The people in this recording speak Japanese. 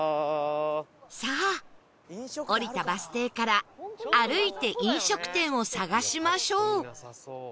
さあ降りたバス停から歩いて飲食店を探しましょう